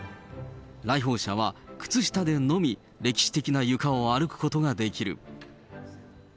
来訪者は靴下でのみ歴史的な床を歩くことができる。